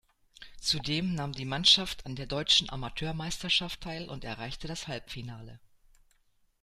Zudem nahm die Mannschaft an der Deutschen Amateurmeisterschaft teil und erreichte das Halbfinale.